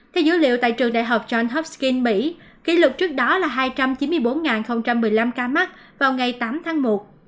theo dữ liệu tại trường đại học john hopskin mỹ kỷ lục trước đó là hai trăm chín mươi bốn một mươi năm ca mắc vào ngày tám tháng một